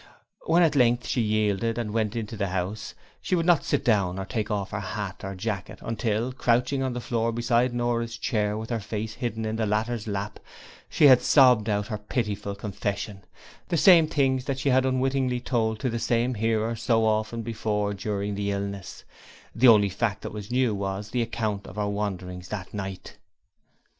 And when at length she yielded and went into the house she would not sit down or take off her hat or jacket until crouching on the floor beside Nora's chair with her face hidden in the latter's lap she had sobbed out her pitiful confession, the same things that she had unwittingly told to the same hearer so often before during the illness, the only fact that was new was the account of her wanderings that night.